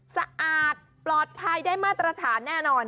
สะอาดปลอดภัยได้มาตรฐานแน่นอน